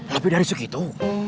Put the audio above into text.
lebih dari segitu